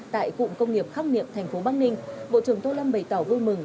tại cụng công nghiệp khắc niệm tp bắc ninh bộ trưởng tô lâm bày tỏ vui mừng